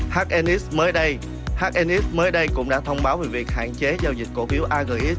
hnx mới đây hnx mới đây cũng đã thông báo về việc hạn chế giao dịch cổ phiếu agis